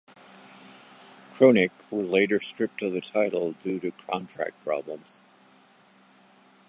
KroniK were later stripped of the title due to contract problems.